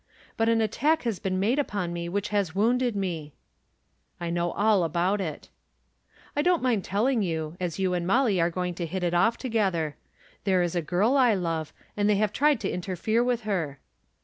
But an attack has been made upon me which has wounded me." "I know all about it." "I don't mind telling you, as you and Molly are going to hit it off together. There is a girl I love, and they have tried to interfere with her."